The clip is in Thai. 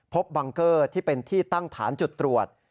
บังเกอร์ที่เป็นที่ตั้งฐานจุดตรวจ